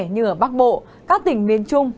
như ở bắc bộ các tỉnh miền trung